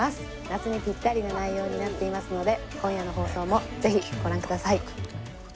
夏にピッタリな内容になっていますので今夜の放送もぜひご覧ください。